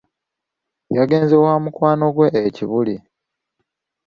yagenze wa mukwano gwe e Kibuli.